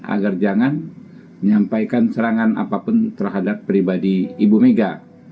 agar jangan menyampaikan serangan apapun terhadap pribadi ibu mega